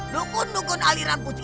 dukun dukun aliran putih